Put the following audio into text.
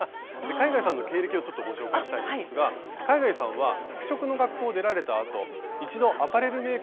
海外さんの経歴をちょっとご紹介したいんですが海外さんは服飾の学校を出られたあと一度アパレルメーカーでお仕事をされて独立されたんですね。